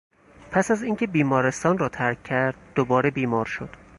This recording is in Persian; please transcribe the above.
پس از اینکه بیمارستان را ترک کرد دوباره بیمار شد.